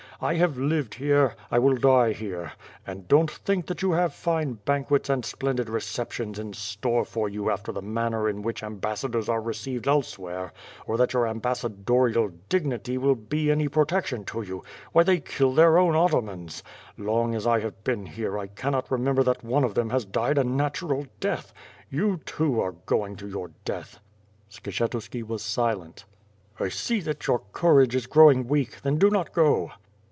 I have lived here; I will die here; and don't think that you have fine banquets and splendid receptions in store for you after the manner in which ambassadors are received else where, or that your ambassadorial dignity will be any pro tection to you. Why, they kill their own atamans. Long as I have been here, I cannot remember that one of them has died a natural death. You, too, are going to your death." Skshetuski was silent. "I see that your courage is growing weak; then do not go."